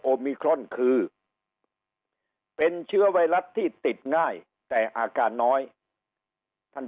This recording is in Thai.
มิครอนคือเป็นเชื้อไวรัสที่ติดง่ายแต่อาการน้อยท่าน